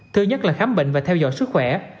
thứ nhất là khám bệnh và theo dõi sức khỏe